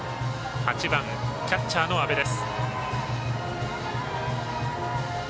８番、キャッチャーの阿部です。